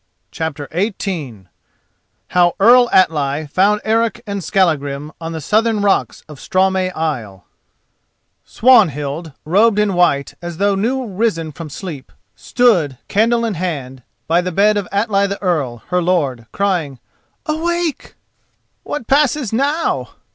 CHAPTER XVIII HOW EARL ATLI FOUND ERIC AND SKALLAGRIM ON THE SOUTHERN ROCKS OF STRAUMEY ISLE Swanhild, robed in white, as though new risen from sleep, stood, candle in hand, by the bed of Atli the Earl, her lord, crying "Awake!" "What passes now?"